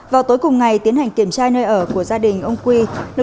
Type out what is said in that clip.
vào tối cùng ngày tiến hành kiểm tra nơi ở của gia đình ông quy